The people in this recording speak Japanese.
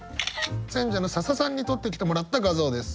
選者の笹さんに撮ってきてもらった画像です。